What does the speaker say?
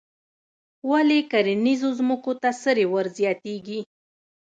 ولې کرنیزو ځمکو ته سرې ور زیاتیږي؟